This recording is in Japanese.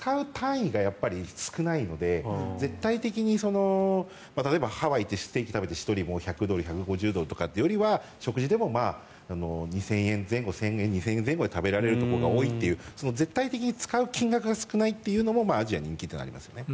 元々の使う単位が少ないので絶対的に例えばハワイに行ってステーキ食べて１人１５０ドルとかってよりは食事でも２０００円前後で食べられるところが多いという絶対的に使う金額が少ないというのもアジアが人気というのはありますね。